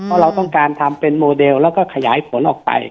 เพราะเราต้องการทำเป็นโมเดลแล้วก็ขยายผลออกไป